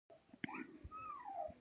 هر شاګرد د خپلې وړتیا له مخې ارزول کېده.